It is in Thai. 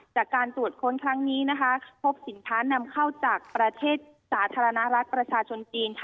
จากการตรวจค้นครั้งนี้พบสินค้านำเข้าจากประเทศสาธารณรัฐประชาชนจีน